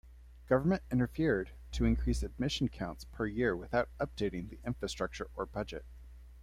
Government interfered to increase admission counts per year without updating the infrastructure or budget.